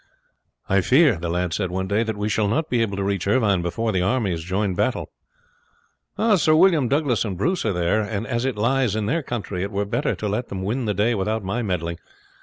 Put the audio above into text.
"I fear," the lad said one day, "that we shall not be able to reach Irvine before the armies join battle." "Sir William Douglas and Bruce are there, and as it lies in their country it were better to let them win the day without my meddling.